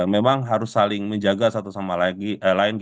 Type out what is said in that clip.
memang harus saling menjaga satu sama lain